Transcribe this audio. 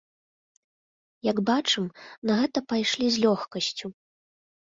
Як бачым, на гэта пайшлі з лёгкасцю.